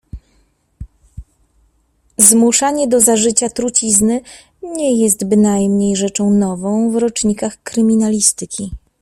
"Zmuszanie do zażycia trucizny, nie jest bynajmniej rzeczą nową w rocznikach kryminalistyki."